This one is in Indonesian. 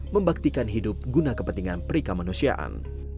membaktikan hidup guna kepentingan perika manusiaan